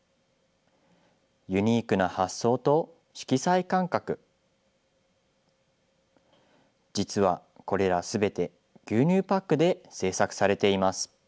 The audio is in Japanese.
ユニークな発想と色彩感覚、実はこれらすべて、牛乳パックで製作されています。